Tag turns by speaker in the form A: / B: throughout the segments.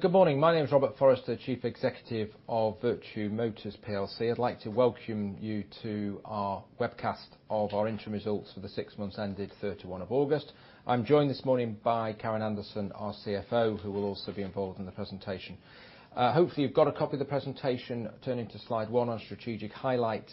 A: Good morning. My name is Robert Forrester, Chief Executive of Vertu Motors plc. I'd like to welcome you to our webcast of our interim results for the six months ended 31 of August. I'm joined this morning by Karen Anderson, our CFO, who will also be involved in the presentation. Hopefully, you've got a copy of the presentation. Turning to slide one, our strategic highlights.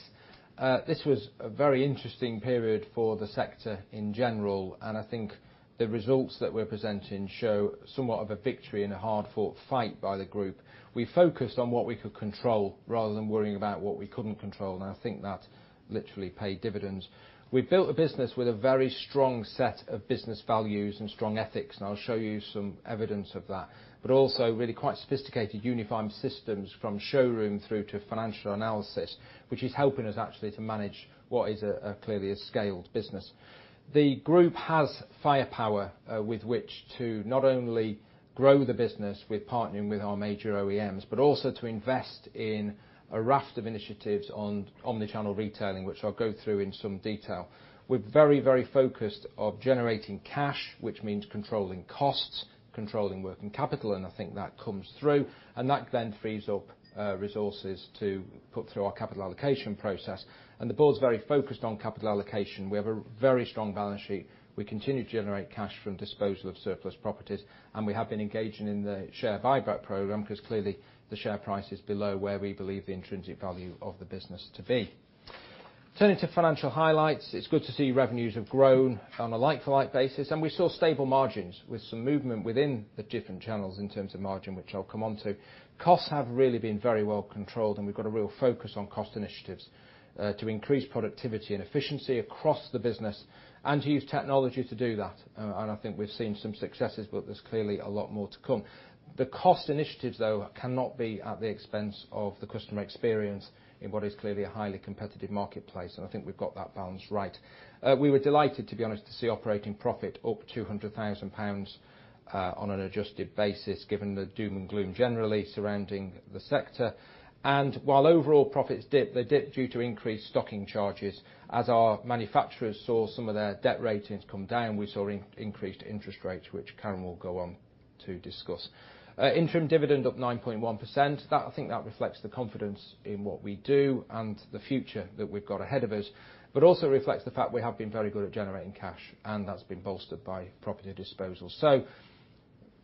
A: This was a very interesting period for the sector in general, and I think the results that we're presenting show somewhat of a victory in a hard-fought fight by the group. We focused on what we could control rather than worrying about what we couldn't control, and I think that literally paid dividends. We built a business with a very strong set of business values and strong ethics, and I'll show you some evidence of that. Really quite sophisticated unified systems from showroom through to financial analysis, which is helping us actually to manage what is clearly a scaled business. The group has firepower with which to not only grow the business with partnering with our major OEMs, but also to invest in a raft of initiatives on omnichannel retailing, which I'll go through in some detail. We're very focused on generating cash, which means controlling costs, controlling working capital, and I think that comes through. That then frees up resources to put through our capital allocation process. The board's very focused on capital allocation. We have a very strong balance sheet. We continue to generate cash from disposal of surplus properties, and we have been engaging in the share buyback program, because clearly the share price is below where we believe the intrinsic value of the business to be. Turning to financial highlights. It's good to see revenues have grown on a like-for-like basis, and we saw stable margins with some movement within the different channels in terms of margin, which I'll come on to. Costs have really been very well controlled, and we've got a real focus on cost initiatives, to increase productivity and efficiency across the business and to use technology to do that. I think we've seen some successes, but there's clearly a lot more to come. The cost initiatives, though, cannot be at the expense of the customer experience in what is clearly a highly competitive marketplace, and I think we've got that balance right. We were delighted, to be honest, to see operating profit up 200,000 pounds on an adjusted basis, given the doom and gloom generally surrounding the sector. While overall profits dipped, they dipped due to increased stocking charges. Our manufacturers saw some of their debt ratings come down, we saw increased interest rates, which Karen will go on to discuss. Interim dividend up 9.1%. That I think reflects the confidence in what we do and the future that we've got ahead of us, but also reflects the fact we have been very good at generating cash, and that's been bolstered by property disposals.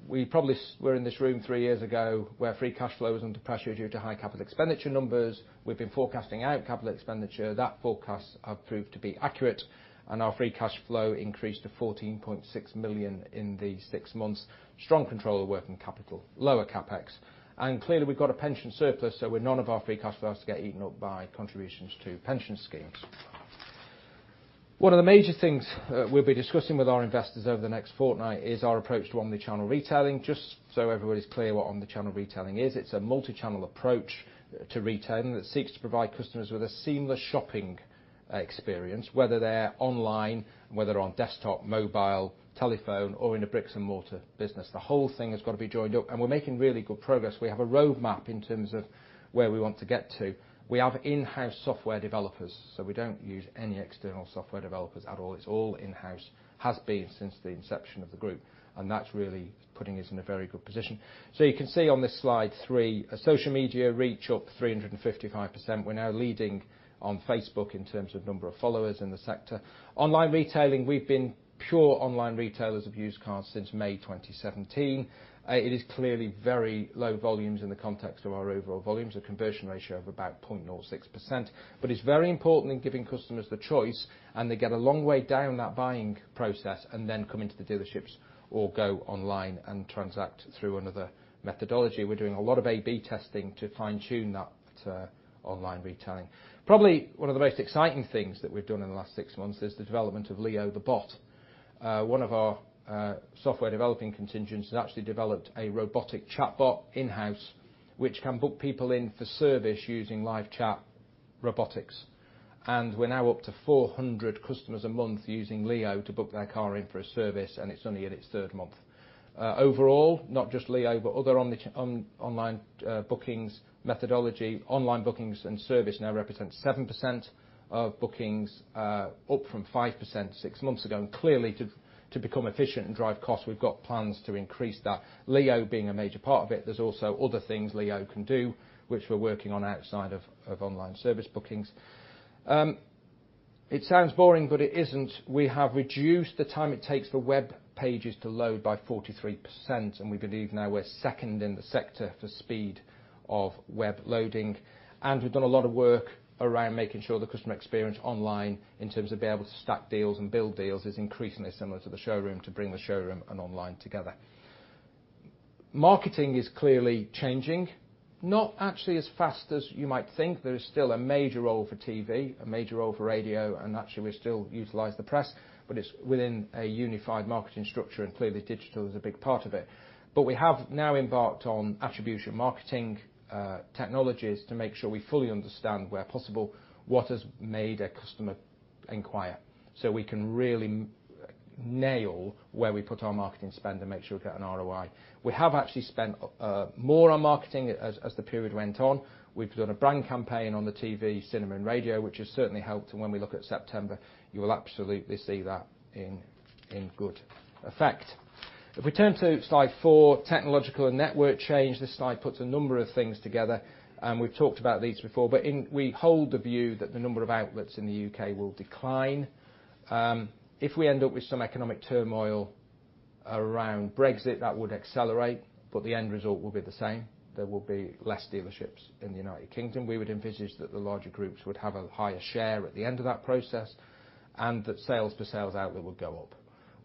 A: We probably were in this room three years ago where free cash flow was under pressure due to high capital expenditure numbers. We've been forecasting out capital expenditure. That forecast have proved to be accurate, and our free cash flow increased to 14.6 million in the six months. Strong control of working capital, lower CapEx, and clearly we've got a pension surplus, none of our free cash flows get eaten up by contributions to pension schemes. One of the major things we'll be discussing with our investors over the next fortnight is our approach to omnichannel retailing. Just so everybody's clear what omnichannel retailing is, it's a multi-channel approach to retailing that seeks to provide customers with a seamless shopping experience, whether they're online, whether on desktop, mobile, telephone, or in a bricks-and-mortar business. The whole thing has got to be joined up, and we're making really good progress. We have a roadmap in terms of where we want to get to. We have in-house software developers, so we don't use any external software developers at all. It's all in-house. Has been since the inception of the group, and that's really putting us in a very good position. You can see on this slide three, social media reach up 355%. We're now leading on Facebook in terms of number of followers in the sector. Online retailing, we've been pure online retailers of used cars since May 2017. It is clearly very low volumes in the context of our overall volumes. A conversion ratio of about 0.06%. It's very important in giving customers the choice, and they get a long way down that buying process and then come into the dealerships or go online and transact through another methodology. We're doing a lot of A/B testing to fine tune that online retailing. Probably one of the most exciting things that we've done in the last six months is the development of Leo the Bot. One of our software developing contingents has actually developed a robotic chatbot in-house, which can book people in for service using live chat robotics. We're now up to 400 customers a month using Leo to book their car in for a service, and it's only in its third month. Overall, not just Leo, but other online bookings methodology, online bookings and service now represents 7% of bookings up from 5% six months ago. Clearly to become efficient and drive costs, we've got plans to increase that, Leo being a major part of it. There's also other things Leo can do, which we're working on outside of online service bookings. It sounds boring, but it isn't. We have reduced the time it takes for web pages to load by 43%, and we believe now we're second in the sector for speed of web loading. We've done a lot of work around making sure the customer experience online in terms of being able to stack deals and build deals is increasingly similar to the showroom to bring the showroom and online together. Marketing is clearly changing, not actually as fast as you might think. There is still a major role for TV, a major role for radio, and actually we still utilize the press, but it's within a unified marketing structure, and clearly digital is a big part of it. We have now embarked on attribution marketing technologies to make sure we fully understand where possible, what has made a customer inquire. We can really nail where we put our marketing spend and make sure we get an ROI. We have actually spent more on marketing as the period went on. We've done a brand campaign on the TV, cinema, and radio, which has certainly helped. When we look at September, you will absolutely see that in good effect. If we turn to slide four, technological and network change. This slide puts a number of things together, and we've talked about these before. We hold the view that the number of outlets in the U.K. will decline. If we end up with some economic turmoil around Brexit, that would accelerate, but the end result will be the same. There will be less dealerships in the United Kingdom. We would envisage that the larger groups would have a higher share at the end of that process, and that sales per sales outlet would go up.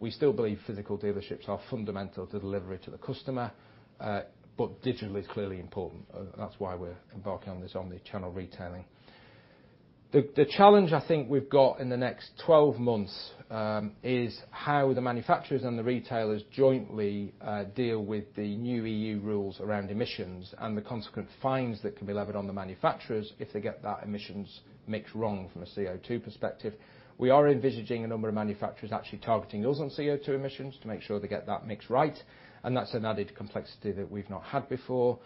A: We still believe physical dealerships are fundamental to delivery to the customer, digital is clearly important. That's why we're embarking on this omnichannel retailing. The challenge I think we've got in the next 12 months, is how the manufacturers and the retailers jointly deal with the new EU rules around emissions, and the consequent fines that can be levied on the manufacturers if they get that emissions mix wrong from a CO2 perspective. We are envisaging a number of manufacturers actually targeting us on CO2 emissions to make sure they get that mix right, and that's an added complexity that we've not had before.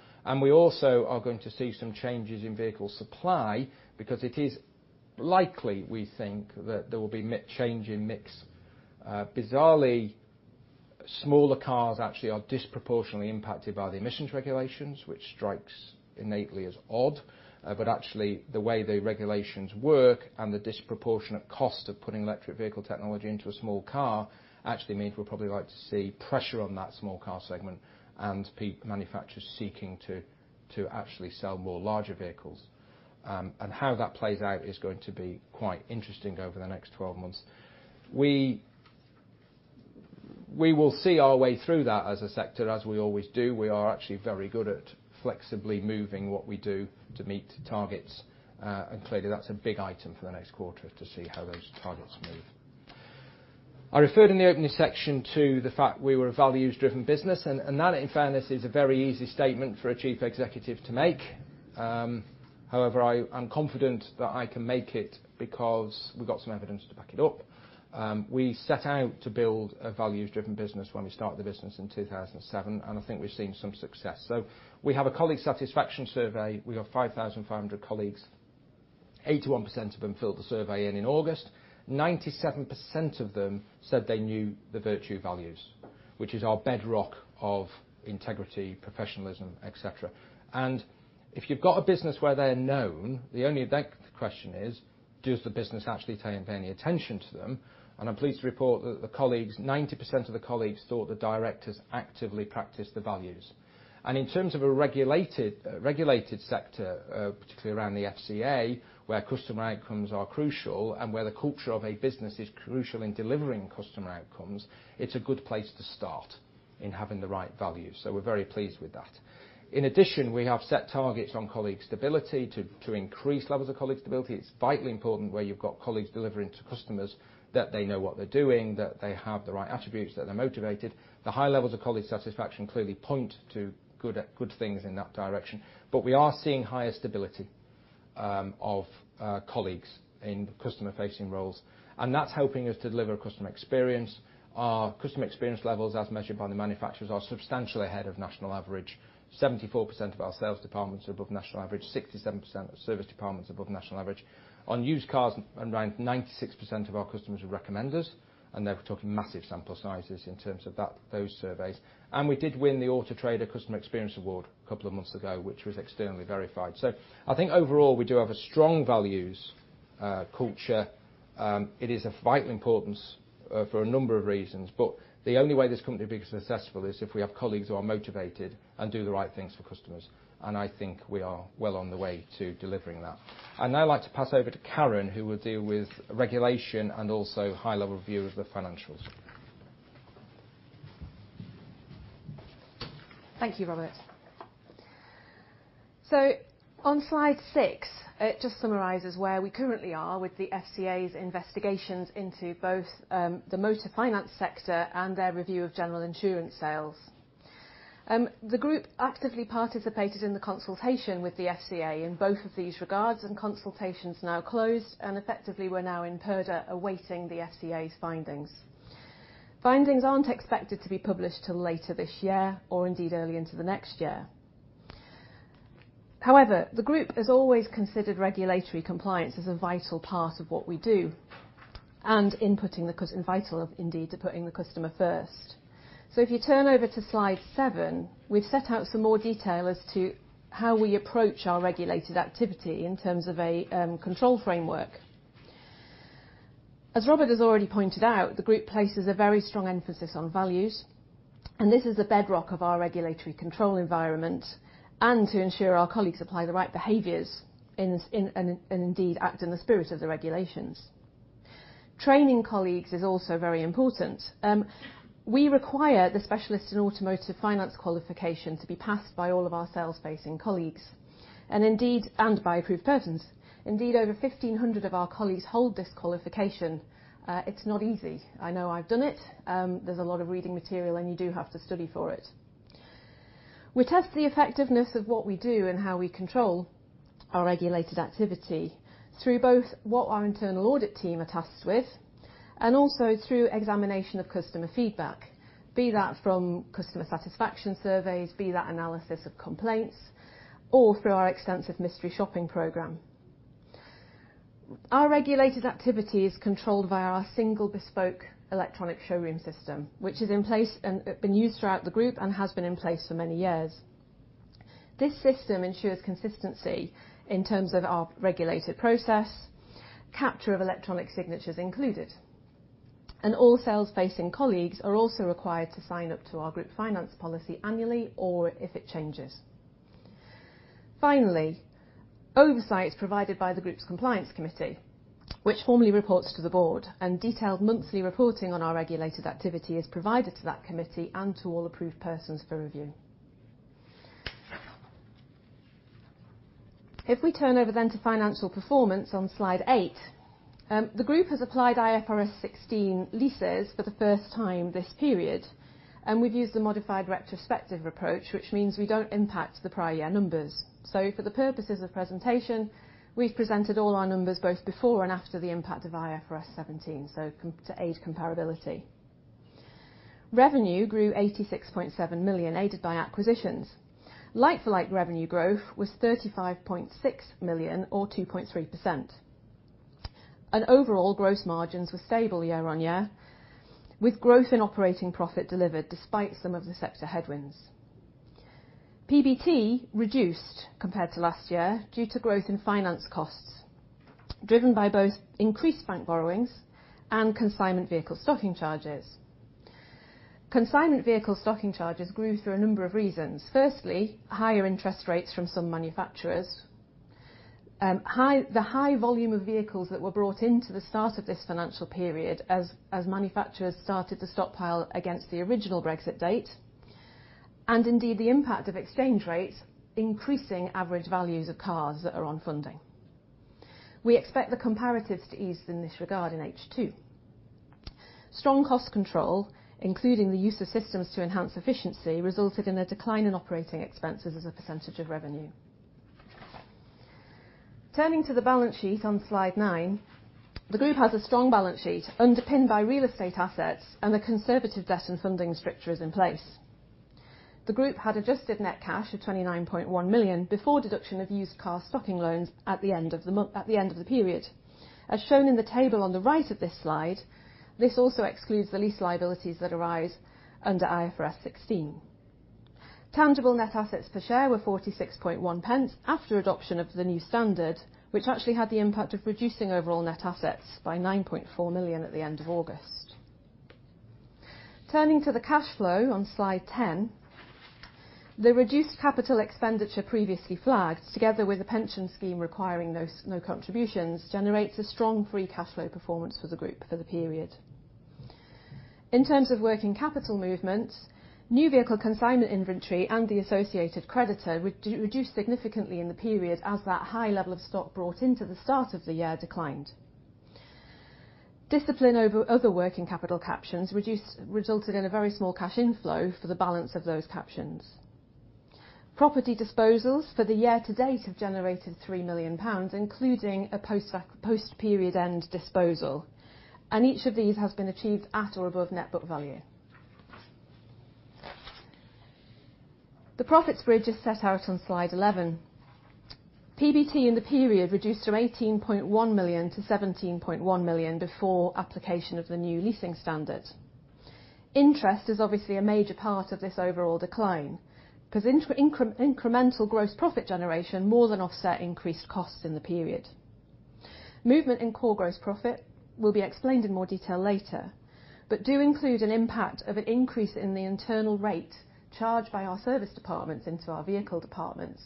A: We also are going to see some changes in vehicle supply, because it is likely, we think, that there will be change in mix. Bizarrely, smaller cars actually are disproportionately impacted by the emissions regulations, which strikes innately as odd. Actually, the way the regulations work and the disproportionate cost of putting electric vehicle technology into a small car, actually means we'll probably like to see pressure on that small car segment and manufacturers seeking to actually sell more larger vehicles. How that plays out is going to be quite interesting over the next 12 months. We will see our way through that as a sector, as we always do. We are actually very good at flexibly moving what we do to meet targets. Clearly, that's a big item for the next quarter to see how those targets move. I referred in the opening section to the fact we were a values-driven business, and that in fairness, is a very easy statement for a Chief Executive to make. However, I'm confident that I can make it because we've got some evidence to back it up. We set out to build a values-driven business when we started the business in 2007, and I think we've seen some success. We have a colleague satisfaction survey. We have 5,500 colleagues, 81% of them filled the survey in in August. 97% of them said they knew the Vertu values, which is our bedrock of integrity, professionalism, et cetera. If you've got a business where they are known, the only question is, does the business actually pay any attention to them? I'm pleased to report that 90% of the colleagues thought the directors actively practice the values. In terms of a regulated sector, particularly around the FCA, where customer outcomes are crucial and where the culture of a business is crucial in delivering customer outcomes, it's a good place to start in having the right values. We're very pleased with that. In addition, we have set targets on colleague stability to increase levels of colleague stability. It's vitally important where you've got colleagues delivering to customers, that they know what they're doing, that they have the right attributes, that they're motivated. The high levels of colleague satisfaction clearly point to good things in that direction. We are seeing higher stability of colleagues in customer-facing roles, and that's helping us deliver customer experience. Our customer experience levels, as measured by the manufacturers, are substantially ahead of national average. 74% of our sales departments are above national average. 67% of service departments are above national average. On used cars, around 96% of our customers would recommend us, and they were talking massive sample sizes in terms of those surveys. We did win the Auto Trader Customer Experience Award a couple of months ago, which was externally verified. I think overall, we do have a strong values culture. It is of vital importance for a number of reasons, but the only way this company will be successful is if we have colleagues who are motivated and do the right things for customers, and I think we are well on the way to delivering that. I'd now like to pass over to Karen, who will deal with regulation and also high-level view of the financials.
B: Thank you, Robert. On slide six, it just summarizes where we currently are with the FCA's investigations into both the motor finance sector and their review of general insurance sales. The group actively participated in the consultation with the FCA in both of these regards, and consultation's now closed, and effectively we're now in purdah awaiting the FCA's findings. Findings aren't expected to be published till later this year or indeed early into the next year. However, the group has always considered regulatory compliance as a vital part of what we do and vital indeed to putting the customer first. If you turn over to slide seven, we've set out some more detail as to how we approach our regulated activity in terms of a control framework. As Robert has already pointed out, the group places a very strong emphasis on values, and this is the bedrock of our regulatory control environment and to ensure our colleagues apply the right behaviors and indeed act in the spirit of the regulations. Training colleagues is also very important. We require the Specialist Automotive Finance qualification to be passed by all of our sales-facing colleagues and by approved persons. Indeed, over 1,500 of our colleagues hold this qualification. It's not easy. I know, I've done it. There's a lot of reading material, and you do have to study for it. We test the effectiveness of what we do and how we control our regulated activity through both what our internal audit team are tasked with, and also through examination of customer feedback, be that from customer satisfaction surveys, be that analysis of complaints, or through our extensive mystery shopping program. Our regulated activity is controlled via our single bespoke electronic showroom system, which is in place and been used throughout the group and has been in place for many years. This system ensures consistency in terms of our regulated process, capture of electronic signatures included. All sales-facing colleagues are also required to sign up to our group finance policy annually or if it changes. Finally, oversight is provided by the group's compliance committee, which formally reports to the board. Detailed monthly reporting on our regulated activity is provided to that committee and to all approved persons for review. If we turn over then to financial performance on slide eight, the group has applied IFRS 16 leases for the first time this period. We've used the modified retrospective approach, which means we don't impact the prior year numbers. For the purposes of presentation, we've presented all our numbers both before and after the impact of IFRS 16, to aid comparability. Revenue grew 86.7 million, aided by acquisitions. Like-for-like revenue growth was 35.6 million or 2.3%. Overall gross margins were stable year-on-year, with growth in operating profit delivered despite some of the sector headwinds. PBT reduced compared to last year due to growth in finance costs, driven by both increased bank borrowings and consignment vehicle stocking charges. Consignment vehicle stocking charges grew for a number of reasons. Firstly, higher interest rates from some manufacturers, the high volume of vehicles that were brought into the start of this financial period as manufacturers started to stockpile against the original Brexit date, and indeed, the impact of exchange rates increasing average values of cars that are on funding. We expect the comparatives to ease in this regard in H2. Strong cost control, including the use of systems to enhance efficiency, resulted in a decline in operating expenses as a percentage of revenue. Turning to the balance sheet on Slide nine, the group has a strong balance sheet underpinned by real estate assets and a conservative debt and funding structure is in place. The group had adjusted net cash of 29.1 million before deduction of used car stocking loans at the end of the period. As shown in the table on the right of this slide, this also excludes the lease liabilities that arise under IFRS 16. Tangible net assets per share were 0.461 after adoption of the new standard, which actually had the impact of reducing overall net assets by 9.4 million at the end of August. Turning to the cash flow on slide 10, the reduced capital expenditure previously flagged, together with the pension scheme requiring no contributions, generates a strong free cash flow performance for the group for the period. In terms of working capital movements, new vehicle consignment inventory and the associated creditor reduced significantly in the period as that high level of stock brought into the start of the year declined. Discipline over other working capital captions resulted in a very small cash inflow for the balance of those captions. Property disposals for the year to date have generated 3 million pounds, including a post-period end disposal, and each of these has been achieved at or above net book value. The profits bridge is set out on slide 11. PBT in the period reduced from 18.1 million to 17.1 million before application of the new leasing standard. Interest is obviously a major part of this overall decline because incremental gross profit generation more than offset increased costs in the period. Movement in core gross profit will be explained in more detail later, but do include an impact of an increase in the internal rate charged by our service departments into our vehicle departments,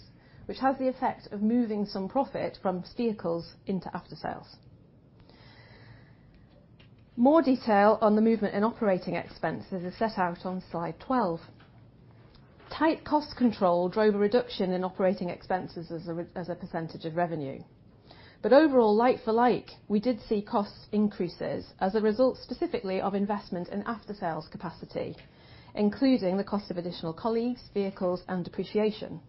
B: which has the effect of moving some profit from vehicles into aftersales. More detail on the movement in operating expenses are set out on slide 12. Tight cost control drove a reduction in operating expenses as a percentage of revenue. Overall, like for like, we did see cost increases as a result specifically of investment in aftersales capacity, including the cost of additional colleagues, vehicles, and depreciation.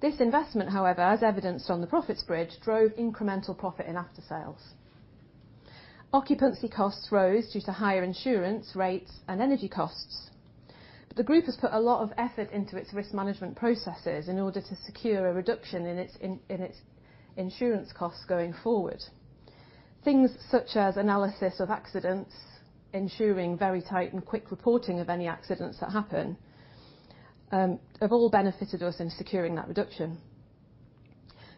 B: This investment, however, as evidenced on the profits bridge, drove incremental profit in aftersales. Occupancy costs rose due to higher insurance rates and energy costs. The group has put a lot of effort into its risk management processes in order to secure a reduction in its insurance costs going forward. Things such as analysis of accidents, ensuring very tight and quick reporting of any accidents that happen, have all benefited us in securing that reduction.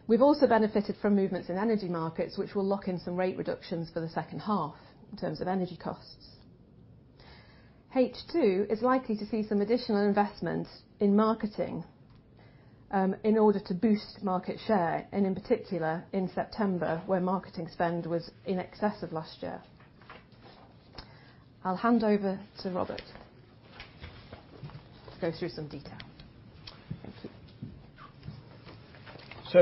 B: We've also benefited from movements in energy markets, which will lock in some rate reductions for the second half in terms of energy costs. H2 is likely to see some additional investment in marketing in order to boost market share, and in particular, in September, where marketing spend was in excess of last year. I'll hand over to Robert to go through some detail. Thank you.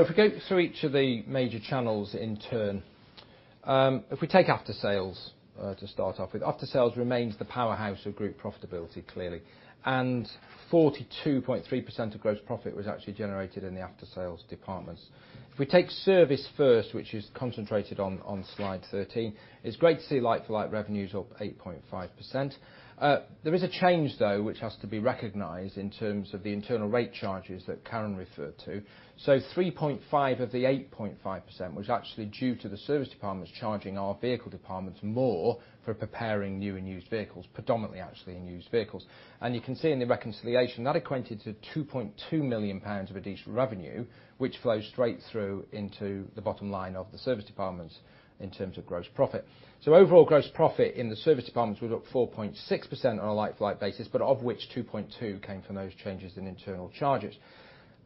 A: If we go through each of the major channels in turn. If we take aftersales to start off with, aftersales remains the powerhouse of group profitability, clearly. 42.3% of gross profit was actually generated in the aftersales departments. If we take service first, which is concentrated on Slide 13, it's great to see like-for-like revenues up 8.5%. There is a change, though, which has to be recognized in terms of the internal rate charges that Karen referred to. 3.5% of the 8.5%, was actually due to the service departments charging our vehicle departments more for preparing new and used vehicles, predominantly actually in used vehicles. You can see in the reconciliation, that equated to 2.2 million pounds of additional revenue, which flows straight through into the bottom line of the service departments in terms of gross profit. Overall gross profit in the service departments was up 4.6% on a like-for-like basis, but of which 2.2% came from those changes in internal charges.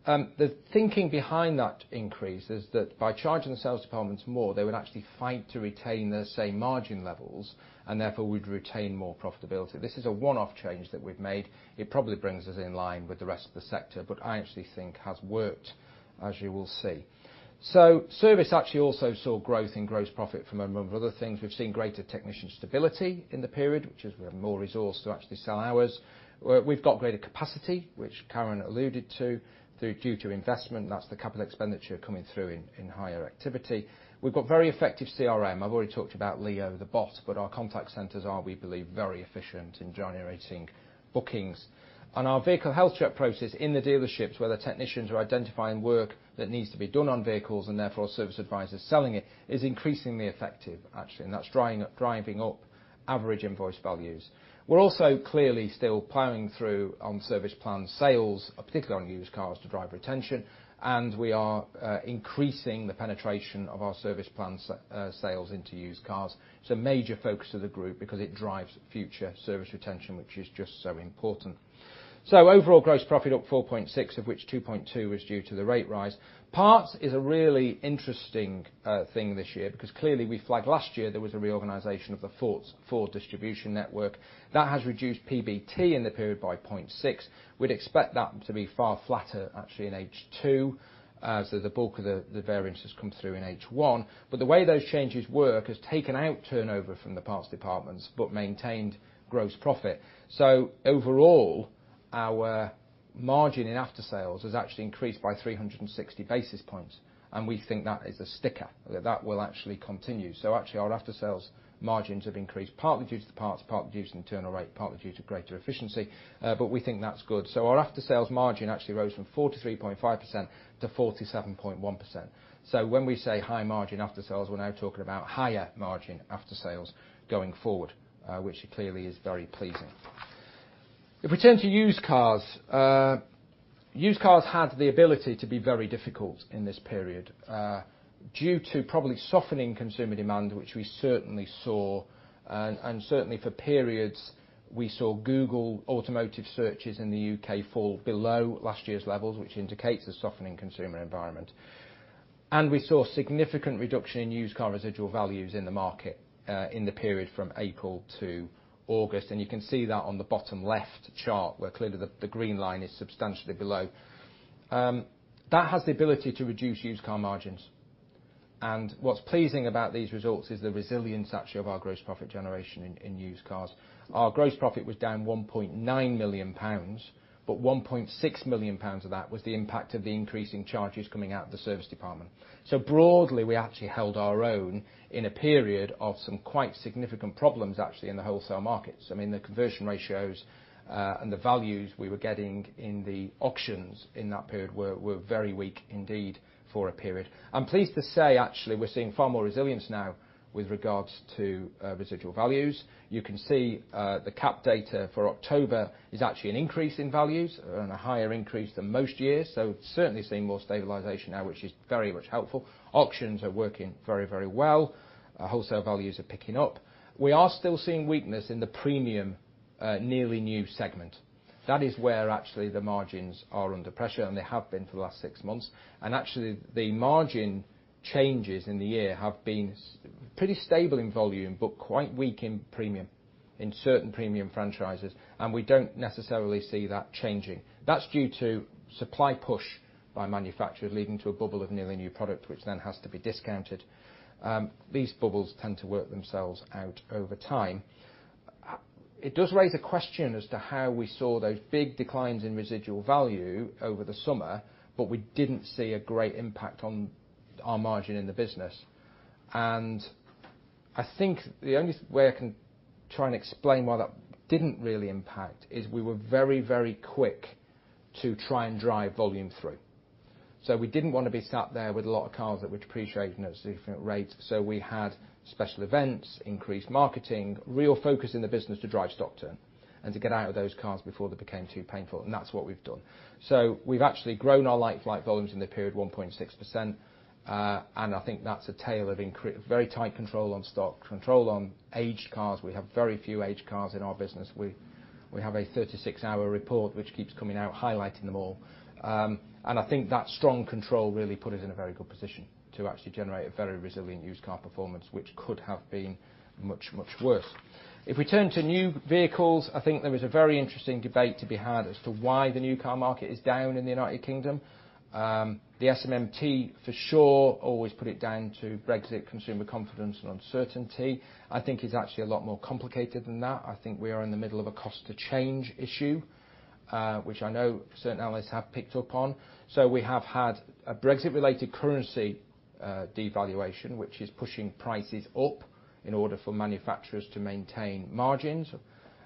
A: The thinking behind that increase is that by charging the sales departments more, they would actually fight to retain the same margin levels and therefore would retain more profitability. This is a one-off change that we've made. It probably brings us in line with the rest of the sector, but I actually think has worked, as you will see. Service actually also saw growth in gross profit from a number of other things. We've seen greater technician stability in the period, which is we have more resource to actually sell hours. We've got greater capacity, which Karen alluded to, due to investment. That's the capital expenditure coming through in higher activity. We've got very effective CRM. I've already talked about Leo the Bot, but our contact centers are, we believe, very efficient in generating bookings. Our vehicle health check process in the dealerships, where the technicians are identifying work that needs to be done on vehicles and therefore our service advisor is selling it, is increasingly effective, actually, and that's driving up average invoice values. We're also clearly still plowing through on service plan sales, particularly on used cars to drive retention, and we are increasing the penetration of our service plan sales into used cars. It's a major focus of the group because it drives future service retention, which is just so important. Overall gross profit up 4.6%, of which 2.2% was due to the rate rise. Parts is a really interesting thing this year because clearly we flagged last year there was a reorganization of the Ford distribution network. That has reduced PBT in the period by 0.6. We'd expect that to be far flatter actually in H2, the bulk of the variance has come through in H1. The way those changes work has taken out turnover from the parts departments but maintained gross profit. Overall, our margin in aftersales has actually increased by 360 basis points, and we think that is a sticker, that that will actually continue. Actually, our aftersales margins have increased partly due to the parts, partly due to internal rate, partly due to greater efficiency. We think that's good. Our aftersales margin actually rose from 43.5% to 47.1%. When we say high margin aftersales, we're now talking about higher margin aftersales going forward, which clearly is very pleasing. If we turn to used cars. Used cars had the ability to be very difficult in this period, due to probably softening consumer demand, which we certainly saw, and certainly for periods, we saw Google automotive searches in the U.K. fall below last year's levels, which indicates a softening consumer environment. We saw significant reduction in used car residual values in the market, in the period from April to August. You can see that on the bottom left chart, where clearly the green line is substantially below. That has the ability to reduce used car margins. What's pleasing about these results is the resilience, actually, of our gross profit generation in used cars. Our gross profit was down 1.9 million pounds, but 1.6 million pounds of that was the impact of the increasing charges coming out of the service department. Broadly, we actually held our own in a period of some quite significant problems, actually, in the wholesale markets. I mean, the conversion ratios and the values we were getting in the auctions in that period were very weak indeed for a period. I'm pleased to say, actually, we're seeing far more resilience now with regards to residual values. You can see the cap data for October is actually an increase in values and a higher increase than most years. Certainly seeing more stabilization now, which is very much helpful. Auctions are working very well. Wholesale values are picking up. We are still seeing weakness in the premium, nearly new segment. That is where actually the margins are under pressure, and they have been for the last six months. Actually, the margin changes in the year have been pretty stable in volume, but quite weak in certain premium franchises. We don't necessarily see that changing. That's due to supply push by manufacturers, leading to a bubble of nearly new product which then has to be discounted. These bubbles tend to work themselves out over time. It does raise a question as to how we saw those big declines in residual value over the summer, but we didn't see a great impact on our margin in the business. I think the only way I can try and explain why that didn't really impact is we were very quick to try and drive volume through. We didn't want to be sat there with a lot of cars that would depreciate at different rates. We had special events, increased marketing, real focus in the business to drive stock turn and to get out of those cars before they became too painful. That's what we've done. We've actually grown our like-for-like volumes in the period 1.6%, and I think that's a tale of very tight control on stock, control on aged cars. We have very few aged cars in our business. We have a 36-hour report which keeps coming out highlighting them all. I think that strong control really put us in a very good position to actually generate a very resilient used car performance, which could have been much worse. If we turn to new vehicles, I think there is a very interesting debate to be had as to why the new car market is down in the U.K. The SMMT for sure always put it down to Brexit consumer confidence and uncertainty. I think it's actually a lot more complicated than that. I think we are in the middle of a cost to change issue, which I know certain analysts have picked up on. We have had a Brexit-related currency devaluation, which is pushing prices up. In order for manufacturers to maintain margins,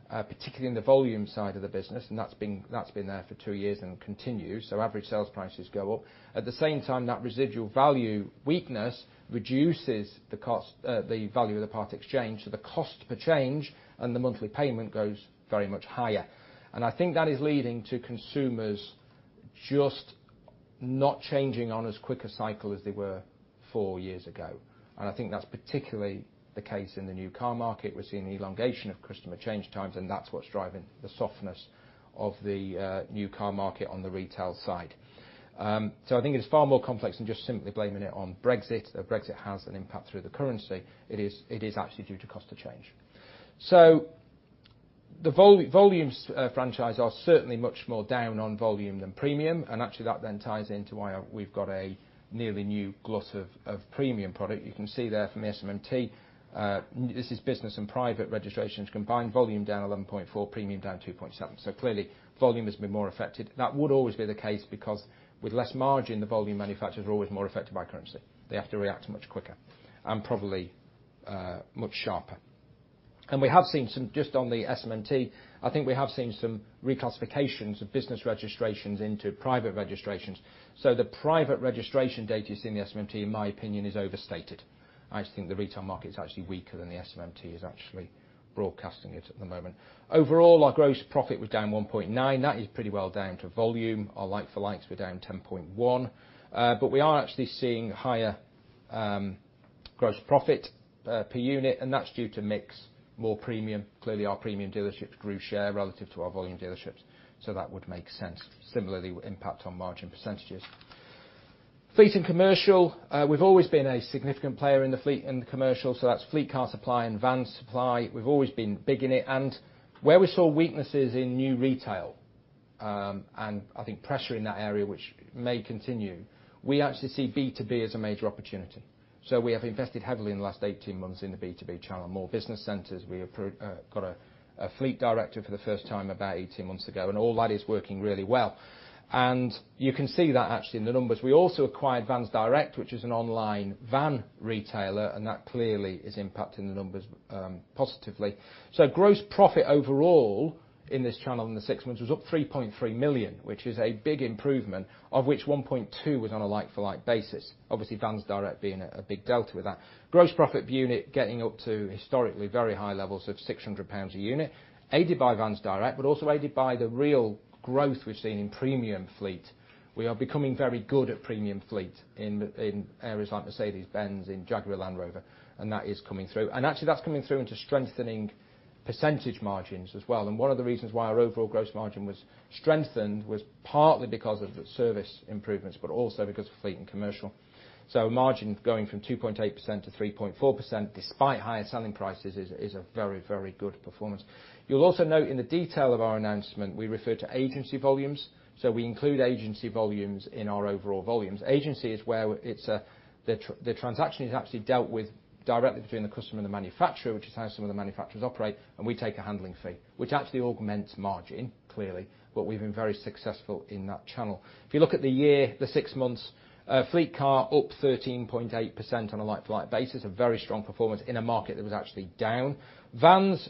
A: particularly in the volume side of the business, and that's been there for two years and continues, average sales prices go up. At the same time, that residual value weakness reduces the value of the part exchange. The cost per change and the monthly payment goes very much higher. I think that is leading to consumers just not changing on as quick a cycle as they were four years ago. I think that's particularly the case in the new car market. We're seeing elongation of customer change times, and that's what's driving the softness of the new car market on the retail side. I think it's far more complex than just simply blaming it on Brexit, though Brexit has an impact through the currency. It is actually due to cost of change. The volumes franchise are certainly much more down on volume than premium. Actually, that then ties into why we've got a nearly new glut of premium product. You can see there from SMMT, this is business and private registrations combined. Volume down 11.4%, premium down 2.7%. Clearly, volume has been more affected. That would always be the case because with less margin, the volume manufacturers are always more affected by currency. They have to react much quicker and probably much sharper. We have seen some just on the SMMT, I think we have seen some reclassifications of business registrations into private registrations. The private registration data you see in the SMMT, in my opinion, is overstated. I just think the retail market's actually weaker than the SMMT is actually broadcasting it at the moment. Overall, our gross profit was down 1.9%. That is pretty well down to volume. Our like for likes were down 10.1%. We are actually seeing higher gross profit per unit, and that's due to mix, more premium. Clearly, our premium dealerships grew share relative to our volume dealerships. That would make sense. Similarly, impact on margin percentages. Fleet and Commercial, we've always been a significant player in the Fleet and Commercial, so that's fleet car supply and van supply. We've always been big in it. Where we saw weaknesses in new retail, and I think pressure in that area, which may continue, we actually see B2B as a major opportunity. We have invested heavily in the last 18 months in the B2B channel, more business centers. We got a fleet director for the first time about 18 months ago, and all that is working really well. You can see that actually in the numbers. We also acquired Vans Direct, which is an online van retailer, that clearly is impacting the numbers positively. Gross profit overall in this channel in the six months was up 3.3 million, which is a big improvement, of which 1.2 million was on a like-for-like basis. Obviously, Vans Direct being a big delta with that. Gross profit per unit getting up to historically very high levels of 600 pounds a unit, aided by Vans Direct, also aided by the real growth we've seen in premium fleet. We are becoming very good at premium fleet in areas like Mercedes-Benz, in Jaguar, Land Rover. That is coming through. Actually, that's coming through into strengthening percentage margins as well. One of the reasons why our overall gross margin was strengthened was partly because of the service improvements, also because of fleet and commercial. Margin going from 2.8% to 3.4%, despite higher selling prices, is a very good performance. You'll also note in the detail of our announcement, we refer to agency volumes. We include agency volumes in our overall volumes. Agency is where the transaction is actually dealt with directly between the customer and the manufacturer, which is how some of the manufacturers operate, and we take a handling fee, which actually augments margin, clearly, but we've been very successful in that channel. If you look at the year, the six months, fleet car up 13.8% on a like-to-like basis, a very strong performance in a market that was actually down. Vans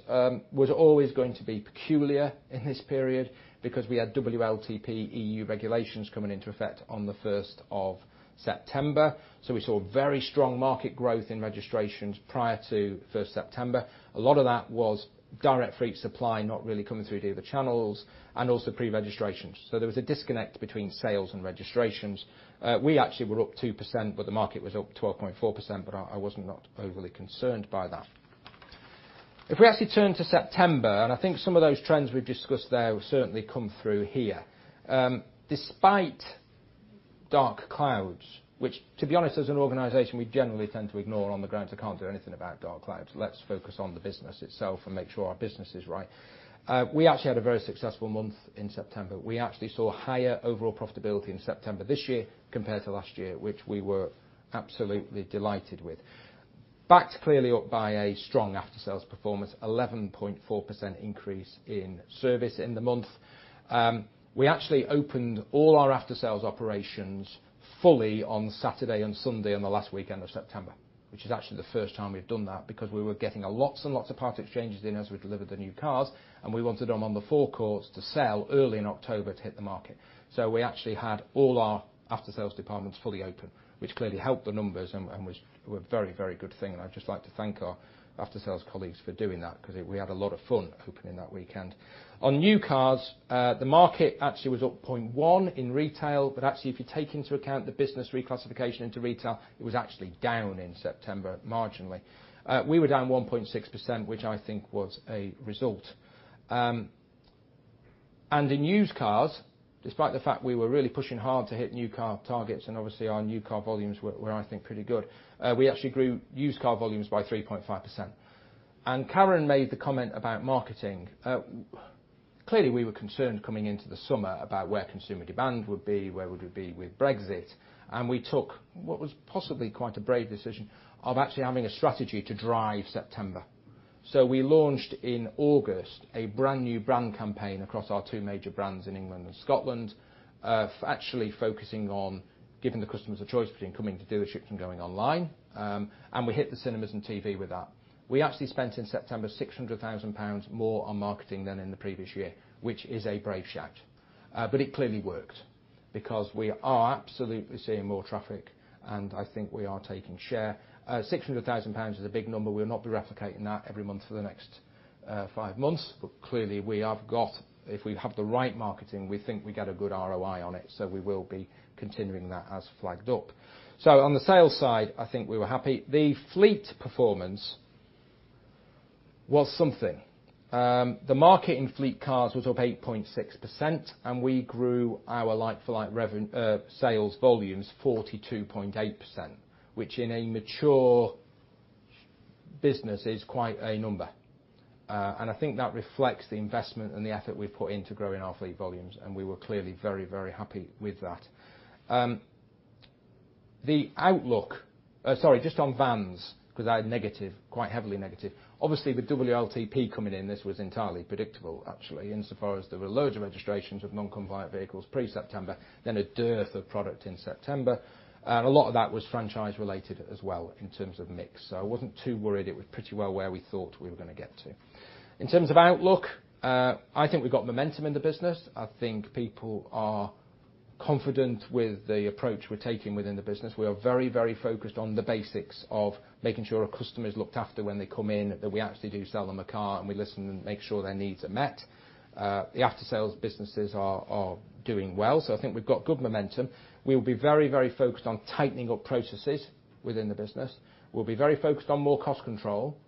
A: was always going to be peculiar in this period because we had WLTP EU regulations coming into effect on the 1st of September. We saw very strong market growth in registrations prior to 1st September. A lot of that was direct fleet supply not really coming through to the other channels and also pre-registrations. There was a disconnect between sales and registrations. We actually were up 2%, but the market was up 12.4%, but I was not overly concerned by that. If we actually turn to September, and I think some of those trends we've discussed there will certainly come through here. Despite dark clouds, which to be honest, as an organization, we generally tend to ignore on the grounds I can't do anything about dark clouds. Let's focus on the business itself and make sure our business is right. We actually had a very successful month in September. We actually saw higher overall profitability in September this year compared to last year, which we were absolutely delighted with. Backed clearly up by a strong aftersales performance, 11.4% increase in service in the month. We actually opened all our aftersales operations fully on Saturday and Sunday on the last weekend of September, which is actually the first time we've done that because we were getting lots and lots of part exchanges in as we delivered the new cars, and we wanted them on the forecourts to sell early in October to hit the market. We actually had all our aftersales departments fully open, which clearly helped the numbers and was a very good thing. I'd just like to thank our aftersales colleagues for doing that because we had a lot of fun opening that weekend. On new cars, the market actually was up 0.1% in retail, but actually if you take into account the business reclassification into retail, it was actually down in September marginally. We were down 1.6%, which I think was a result. In used cars, despite the fact we were really pushing hard to hit new car targets, obviously our new car volumes were, I think, pretty good. We actually grew used car volumes by 3.5%. Karen made the comment about marketing. Clearly, we were concerned coming into the summer about where consumer demand would be, where would we be with Brexit, and we took what was possibly quite a brave decision of actually having a strategy to drive September. We launched in August a brand new brand campaign across our two major brands in England and Scotland, actually focusing on giving the customers a choice between coming to dealerships and going online. We hit the cinemas and TV with that. We actually spent, in September, 600,000 pounds more on marketing than in the previous year, which is a brave shout. It clearly worked because we are absolutely seeing more traffic, and I think we are taking share. 600,000 pounds is a big number. We'll not be replicating that every month for the next five months. Clearly, if we have the right marketing, we think we get a good ROI on it, so we will be continuing that as flagged up. On the sales side, I think we were happy. The fleet performance was something. The market in fleet cars was up 8.6%, and we grew our like-for-like sales volumes 42.8%, which in a mature business is quite a number. I think that reflects the investment and the effort we've put into growing our fleet volumes, and we were clearly very happy with that. Just on vans, because I had quite heavily negative. Obviously, with WLTP coming in, this was entirely predictable actually, insofar as there were loads of registrations of non-compliant vehicles pre-September, then a dearth of product in September. A lot of that was franchise related as well in terms of mix. I wasn't too worried. It was pretty well where we thought we were going to get to. In terms of outlook, I think we've got momentum in the business. I think people are confident with the approach we're taking within the business. We are very focused on the basics of making sure a customer is looked after when they come in, that we actually do sell them a car, and we listen and make sure their needs are met. The after-sales businesses are doing well. I think we've got good momentum. We'll be very focused on tightening up processes within the business. We'll be very focused on more cost control.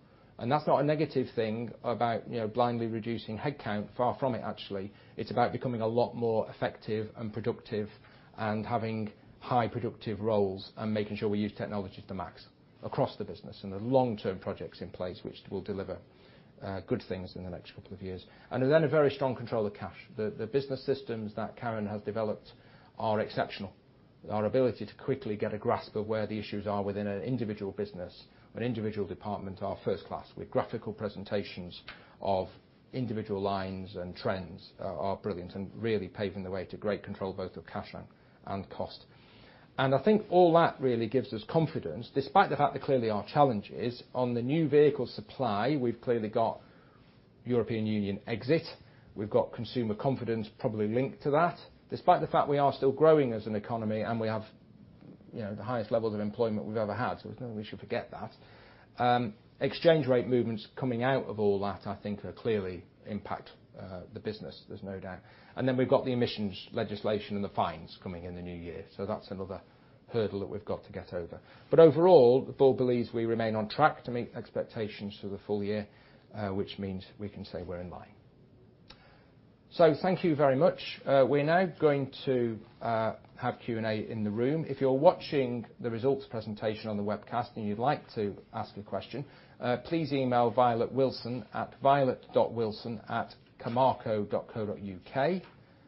A: That's not a negative thing about blindly reducing headcount. Far from it, actually. It's about becoming a lot more effective and productive and having high productive roles and making sure we use technology to the max across the business. There are long-term projects in place which will deliver good things in the next couple of years. A very strong control of cash. The business systems that Karen has developed are exceptional. Our ability to quickly get a grasp of where the issues are within an individual business or an individual department are first class. With graphical presentations of individual lines and trends are brilliant and really paving the way to great control both of cash and cost. I think all that really gives us confidence, despite the fact there clearly are challenges. On the new vehicle supply, we've clearly got Brexit. We've got consumer confidence probably linked to that. Despite the fact we are still growing as an economy and we have the highest levels of employment we've ever had, there's no we should forget that. Exchange rate movements coming out of all that I think clearly impact the business. There's no doubt. We've got the emissions legislation and the fines coming in the new year, that's another hurdle that we've got to get over. Overall, the board believes we remain on track to meet expectations for the full year, which means we can say we're in line. Thank you very much. We're now going to have Q&A in the room. If you're watching the results presentation on the webcast and you'd like to ask a question, please email Violet Wilson at violet.wilson@camarco.co.uk.